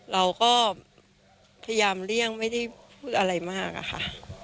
เราก็พยายามเลี่ยงไม่ได้พูดอะไรมากอะค่ะ